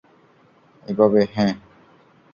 এভাবে, হ্যাঁ।